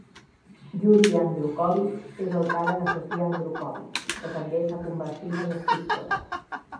Yuri Andrukhovych és el pare de Sofia Andrukhovych, que també s'ha convertit en escriptora.